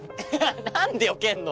何でよけんの。